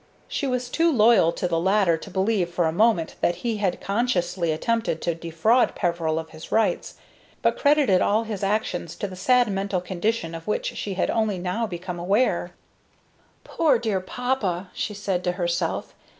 She was too loyal to the latter to believe for a moment that he had consciously attempted to defraud Peveril of his rights, but credited all his actions to the sad mental condition of which she had only now become aware. "Poor, dear papa!" she said to herself.